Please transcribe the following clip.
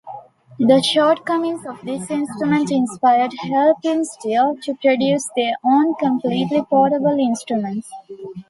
The shortcomings of this instrument inspired Helpinstill to produce their own completely portable instruments.